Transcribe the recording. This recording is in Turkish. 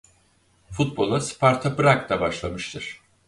Futbol'a Sparta Prag'da başlamıştır.